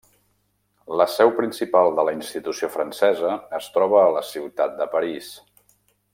La seu principal de la institució francesa es troba a la ciutat de París.